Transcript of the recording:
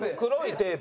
テープ？